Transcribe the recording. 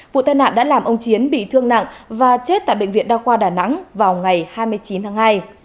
vụ tai nạn đã làm ông chiến bị thương nặng và chết tại bệnh viện đa khoa đà nẵng vào ngày hai mươi chín tháng hai